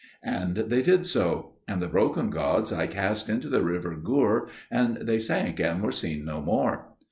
And they did so; and the broken gods I cast into the river Gur, and they sank and were seen no more.